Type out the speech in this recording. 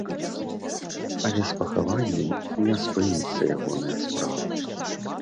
Але з пахаваннем не спыніцца ягоная справа.